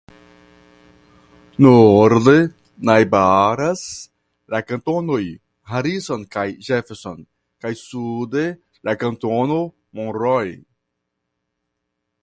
Norde najbaras la kantonoj Harrison kaj Jefferson kaj sude la kantono Monroe.